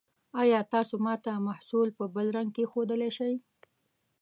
ایا تاسو ما ته محصول په بل رنګ کې ښودلی شئ؟